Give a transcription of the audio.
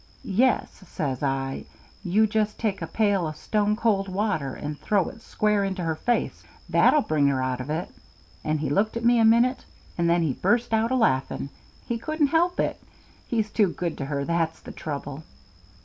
'Yes,' says I; 'you just take a pail o' stone cold water, and throw it square into her face; that'll bring her out of it;' and he looked at me a minute, and then he burst out a laughing he couldn't help it. He's too good to her; that's the trouble."